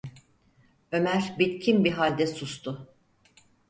Ömer bitkin bir halde sustu.